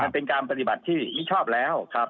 เป็นการปฏิบัติที่หี้ชอบแล้วครับ